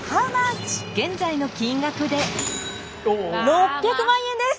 ６００万円です！